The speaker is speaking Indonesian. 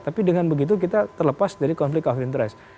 tapi dengan begitu kita terlepas dari konflik of interest